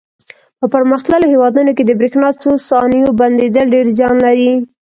په پرمختللو هېوادونو کې د برېښنا څو ثانیو بندېدل ډېر زیان لري.